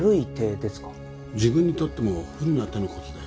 自分にとっても不利な手の事だよ。